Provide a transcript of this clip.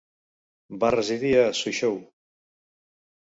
Va residir a Suzhou.